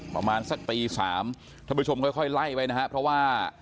ประมาณสักปีสามท่านผู้ชมค่อยไล่ไว้นะฮะเพราะว่า